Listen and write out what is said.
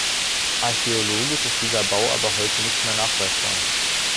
Archäologisch ist dieser Bau aber heute nicht mehr nachweisbar.